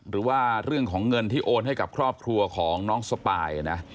หรือว่าเรื่องของเงินที่โอนให้กับครอบครัวของน้องสปายนะ